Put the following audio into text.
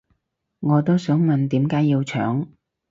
我都想問點解要搶